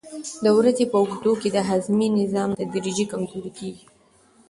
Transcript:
د ورځې په اوږدو کې د هاضمې نظام تدریجي کمزوری کېږي.